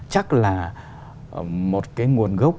chắc là một cái nguồn gốc